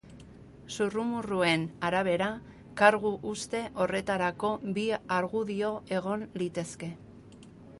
Zurrumurruen arabera, kargu uzte horretarako bi argudio egon litezke.